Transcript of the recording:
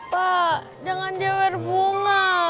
pak jangan jewer bunga